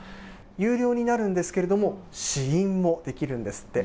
有料になるんですけれども、試飲もできるんですって。